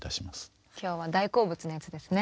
今日は大好物なやつですね。